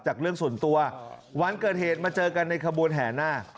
เรื่องส่วนตัววันเกิดเหตุมาเจอกันในขบวนแห่นาค